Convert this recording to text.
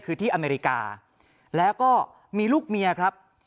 คือที่อเมริกาแล้วก็มีลูกเมียครับ